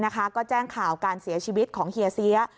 ก็แจ้งข่าวการเสียชีวิตของเฮียเสีย